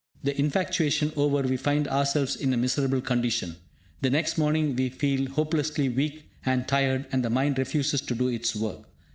The infatuation over, we find ourselves in a miserable condition. The next morning, we feel hopelessly weak and tired, and the mind refuses to do its work.